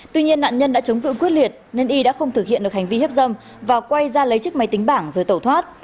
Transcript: tuy nhiên nạn nhân đã chống cử quyết liệt nên y đã không thực hiện được hành vi hiếp dâm và quay ra lấy chiếc máy tính bảng rồi tẩu thoát